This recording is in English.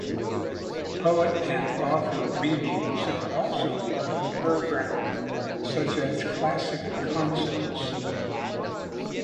Poet and author readings are also part of the program, such as classic concerts.